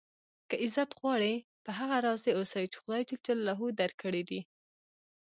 که عزت غواړئ؟ په هغه راضي اوسئ، چي خدای جل جلاله درکړي دي.